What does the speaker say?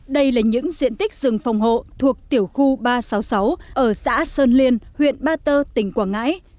đây là những diện tích rừng phòng hộ thuộc tiểu khu ba trăm sáu mươi sáu ở xã sơn liên huyện ba tơ tỉnh quảng ngãi